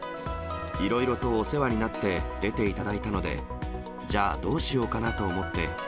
いろいろとお世話になって、出ていただいたので、じゃあどうしようかなと思って。